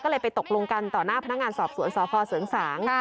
ก็เลยไปตกลงกันต่อหน้าพนักงานสอบสวนสพเสริงสาง